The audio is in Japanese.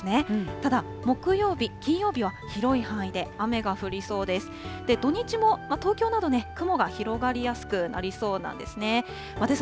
ただ、木曜日、金曜日は広い範囲で雨が降りそうです。